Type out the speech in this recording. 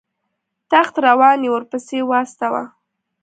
تخت روان یې ورپسې واستاوه.